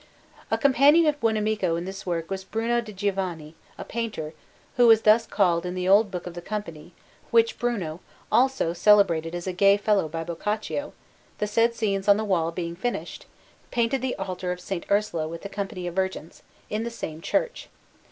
A companion of Buonamico in this work was Bruno di Giovanni, a painter, who is thus called in the old book of the Company; which Bruno (also celebrated as a gay fellow by Boccaccio), the said scenes on the walls being finished, painted the altar of S. Ursula with the company of virgins, in the same church.